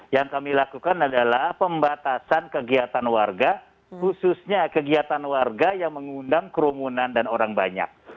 yang kami lakukan adalah pembatasan kegiatan warga khususnya kegiatan warga yang mengundang kerumunan dan orang banyak